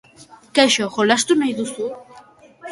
Kaixo, jolastu nahi duzu?